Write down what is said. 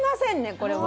これは。